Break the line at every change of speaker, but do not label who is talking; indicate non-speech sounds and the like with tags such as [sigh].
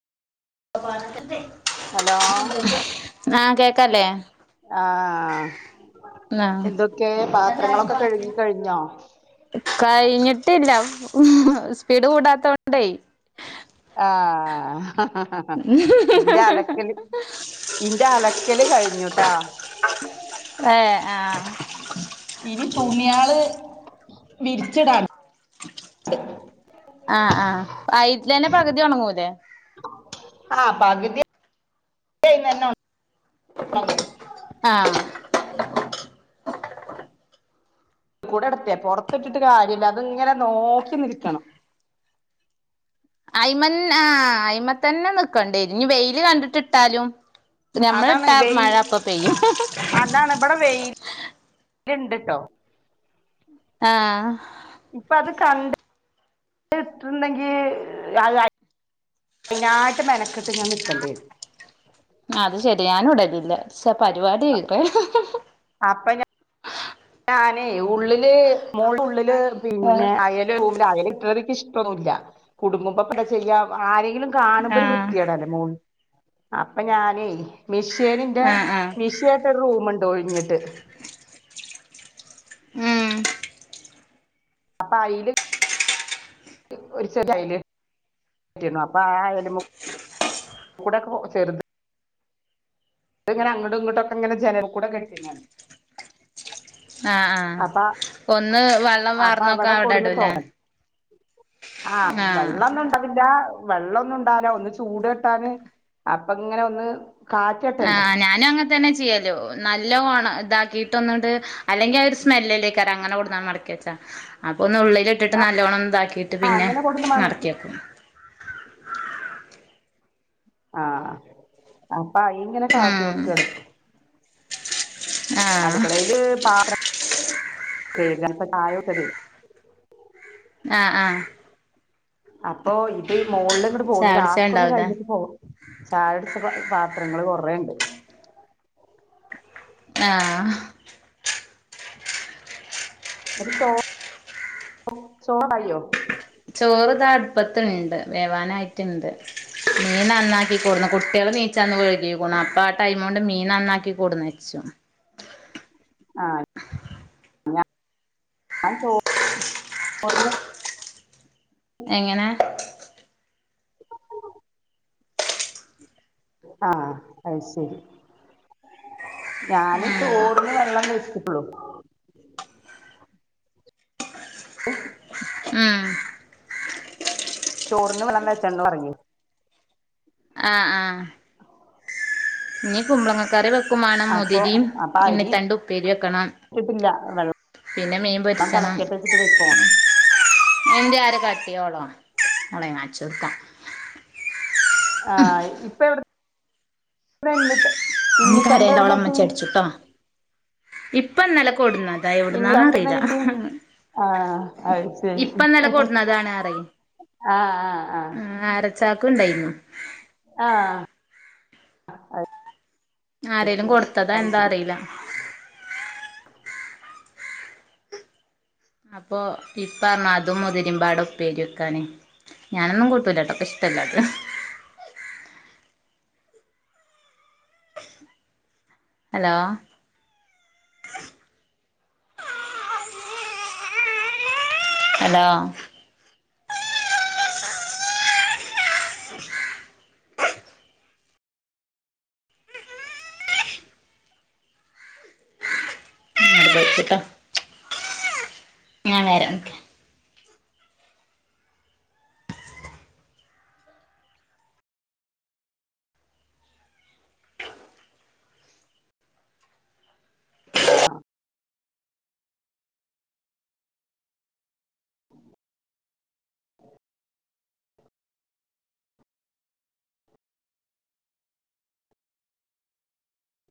Hello
[inaudible] ആ കേക്കല്ലേ?
ആ ആഹ്
ആഹ്
എന്തൊക്കെ? പാത്രങ്ങളൊക്ക കഴുകി കഴിഞ്ഞോ?
കയിഞ്ഞിട്ടില്ല സ്പീഡ് കൂടാത്തോണ്ടേ
ആഹ് ഹ ഹ ഹ ഹ ഇന്റ അലക്കല് ഇന്റ അലക്കല് കഴിഞ്ഞുട്ടൊ
ഏഹ് ആ
ഇനി തുണിയാള് വിരിച്ചിടാ
ആ ആഹ് അയിറ്റ്ലന്നെ പകുതി ഒണങ്ങൂലെ
ആ പക്‌തി [unintelligible]
ആഹ്
കൂടടറ്റെ പൊറത്ത്ട്ട്ട്ട് കാര്യല്ല അത്ങ്ങന നോക്കി നിൽക്കണം
അയി്മൻ ആ അയ്മ തന്നെ ന്ക്കണ്ടെ ഞ്ഞി വെയില് കണ്ട്ട്ട്ട്ടാലും ഞമ്മൾ
അതാണ്
ട്ടാ മഴ അപ്പ പെയ്യും
വെട വെയി ല്ണ്ട്ട്ടോ
ആഹ്
ഇപ്പത് കണ്ട് ട്ട്ണ്ടെങ്കി [inaudible] അയ്നായ് ട്ട് മെനക്കെട്ട് ഞാന്ന്‌ക്കണ്ടെ
ങാ അത് ശരി ഞാനുടലില്ല ക്ഷെ പരിപാടി
അപ്പ ഞ ഞാനേ ഉള്ളില് മോളുള്ളില് പിന്നെ അയെ ന്റെ റൂമില് ആരെങ്കിലു കേറികി ഷ്ടൊന്നുല്ല്യ. കുടുംബപ്പെ ചെയ്യ ആരെങ്കിലും. കാണ് മ്പൊരു
ആഹ്
വൃത്ത്യേടല്ലെ മോള് അപ്പ ഞാനെ മിഷ്യനിന്റെ
ആഹ് ആഹ്
മിഷ് ക്വായ്ട്ടൊര് റൂമ്ണ്ട് ഒഴിഞ്ഞിട്ട്
ഊം
അപായില് ഒര് ചെരി അയില് റ്റിനു അപ്പാ അയലുമു കൂടെകൊ ചെറ്ത് ത്ങ്ങന അങ്ങട്ടും ങ്ങട്ടൊക്കെ ങ്ങനെ ജനൽ കൂടെ കെട്ടി നാ
ആ ആഹ്
അപ്പൊ
ഒന്ന് വെള്ളം
അപ്പൊ അവിടെ കൊടുന്ന്
വാർന്നോക്കവ്ടടുല്ലെ
തോരൻ
ങാ
[unintelligible] വെള്ളൊന്നു ണ്ടാല ഒന്ന് ചൂടട്ടാന് അപ്പങ്ങനൊന്ന്
ആഹ് ഞാനു അങ്ങെൻതന്നാ ചെയ്യല് നല്ലോണ താക്കിട്ടൊന്ന് ട് അല്ലെങ്കി ആഹ് ഒരു സ്മെല്ക്കർ അങ്ങനെ കൊടുന്നാൽ മടക്കി വെച്ചാ അപ്പോൾ ഒന്ന് ഉള്ളിലിട്ടിട്ട് നല്ലവണ്ണം ഇതാക്കിയിട്ട്
ആ
പിന്നെ
അങ്ങനെ കൊടുന്ന് മണക്കി
നടത്തിേക്കും
ആഹ് അപ്പൊ അത് ഇങ്ങനെ കാട്ടി
ഉം
കൊടുക്ക എടുപ്പും
ആഹ്
അടുക്കളയില് പാത്ര [inaudible] കഴുകാത്ത ചായൊക്കെത
ആഹ് ആഹ്
അപ്പൊ ഇത് മോളിൽ ഇങ്ങട്ട്
ചായ
പോകുന്നു രാക്കൊന്ന്
കുടിച്ചേണ്ടാവൂലേ
കഴിഞ്ഞിട്ട് പോക ചായടിച്ച പാത്രങ്ങള്ൾ കൊറണ്ട്
ആഹ്
ന്നട്ട് ചോ ച്ചോ ചോറായോ?
ചോറ്താ അടുപ്പത്ണ്ട് വേവാനായിട്ടുണ്ട് മീൻ നന്നാക്കിക്കൂടുന്നു കുട്ടികൾ നീച്ചന്ന് കഴുകിക്കൂ അപ്പൊ ആഹ് ടൈമ കൊണ്ട് മീൻ നന്നാക്കി കൂടുനെച്ചു
ആ. ഞ. ഞാൻ ചോ. ച്ചോർന്.
എങ്ങനെ
ആഹ് അത് ശരി ഞാന്
ഉം
ചോറിന് വെള്ളം വെച്ചിട്ടുള്ളു
ഉം
ചോറിന് വെള്ളംകറ്റാന ഇറങ്ങി
ആഹ് ആഹ് ഇനി കുമ്പളങ്ങക്കറി വെക്കും വേണം
അപ്പൊ
മുതിരി
അപ്പൊ
ഇണി
അരി
തണ്ട ഉപ്പേരി വെക്കണം
ഇട്ടിട്ടില്ല വെള്ളം
പിന്നെ മീൻ പൊരിച്ചണം
തിളക്കട്ടെ വെച്ചിട്ട് വെച്ചോ
എന്റെറെ ആര് കട്ടിയോളോ ഓളോ ഞാൻകാണിച്ട്ക
ആഹ് ഇപ്പ എവിടെ [unintelligible]
കരേണ്ടവളമ്മച്ചടിച്ചിട്ടോ ഇപ്പൊ ഇന്നലെ കൊടുന്ന അതാ എവിടുന്നാന്ന
ഇന്നിത്തണ്ട് എവിടുന്നാ
അറിയില്ല
കിട്ടി ആഹ് അത്
ഇപ്പ നില കൊൂടുന്ന അതാണ് അറ
ആഹ് ആഹ് ആഹ
ചാക്ക് ഉണ്ടായിരുന്നു
ആഹ് അത്
ആരേലും
ശരി
കൊടുത്തതാ
അത്
എന്താ
ശരി
അറിയില്ല അപ്പൊ ഇപ്പ പറഞ്ഞ അതും മുതിരിമ്പാട ഉപ്പേരി വക്കാന് ഞാനൊന്നും കൂട്ടൂലട്ടൊ ക്ക്ഷ്ട്ടല്ലത് ഹലോ ഹലോ പൊര്ച്ച്ട്ട ഞാവെര നിക്കെ
ആഹ്